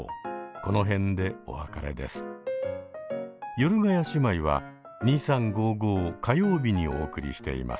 ヨルガヤ姉妹は「２３５５」火曜日にお送りしています。